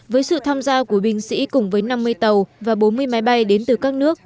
với sự tham gia của binh sĩ cùng với năm mươi tàu và bốn mươi máy bay đến từ các nước